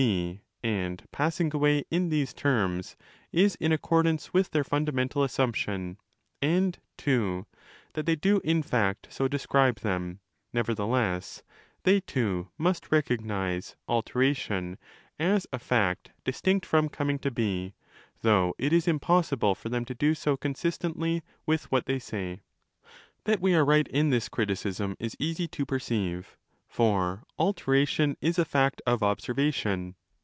1 to be and passing away in these terms is in accordance with their fundamental assumption, and (ii) that they do in fact so describe them : nevertheless, they too' must recog nize 'alteration' as a fact distinct from coming to be, though it is impossible for them to do so consistently with what they say. That we are right in this criticism is easy to perceive. For 'alteration' is a fact of observation.